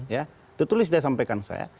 ya tertulis dia sampaikan saya